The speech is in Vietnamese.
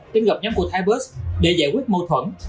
đến gặp nhóm của thái bớt để giải quyết mâu thuẫn